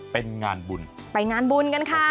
เป็นงานบุญไปงานบุญกันค่ะ